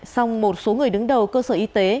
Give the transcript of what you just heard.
xong một số người đứng đầu cơ sở y tế